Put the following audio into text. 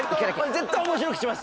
絶対面白くします！